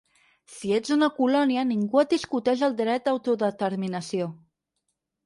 Si ets una colònia ningú no et discuteix el dret d’autodeterminació.